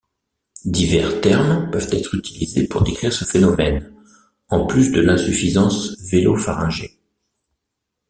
Divers termes peuvent être utilisés pour décrire ce phénomène, en plus de l'insuffisance vélo-pharyngée.